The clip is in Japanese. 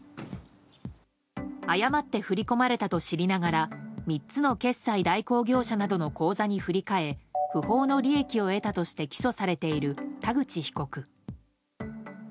誤って振り込まれたと知りながら３つの決済代行業者などの口座に振り替え不法の利益を得たとして起訴されている田口被告。